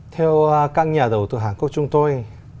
theo các nhà đầu tư hàn quốc chúng tôi